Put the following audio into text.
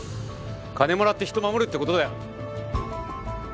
金もらって人護るって事だよ！